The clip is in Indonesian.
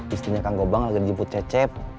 istrinya kangkobang lagi dijemput cecep